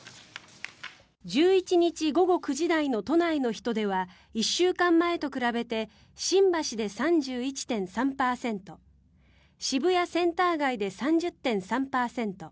１１日午後９時台の都内の人出は１週間前と比べて新橋で３１．３％渋谷センター街で３０．３％